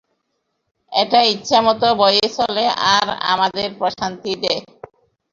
এটা ইচ্ছামত বয়ে চলে আর আমাদের প্রশান্তি দেয়।